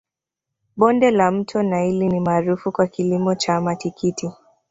bonde la mto naili ni maarufu kwa kilimo cha matikiti